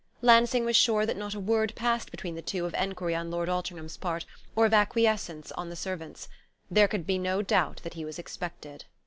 Lansing was sure that not a word passed between the two, of enquiry on Lord Altringham's part, or of acquiescence on the servant's. There could be no doubt that he was expected.